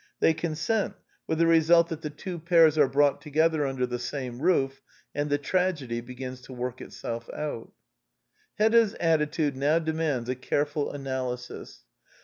They consent, with the result that the two pairs 132 The Quintessence of Ibsenism are brought together under the same roof, and the tragedy begins to work itself out. Hedda's attitude now demands a careful analy sis.